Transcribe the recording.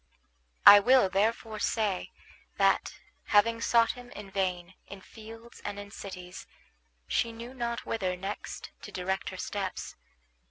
I will therefore say that, having sought him in vain in fields and in cities, she knew not whither next to direct her steps.